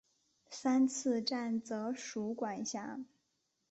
三次站则属管辖。